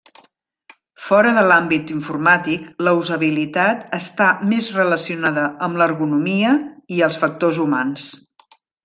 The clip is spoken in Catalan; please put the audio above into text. Fora de l'àmbit informàtic, la usabilitat està més relacionada amb l'ergonomia i els factors humans.